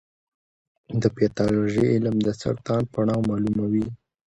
د پیتالوژي علم د سرطان پړاو معلوموي.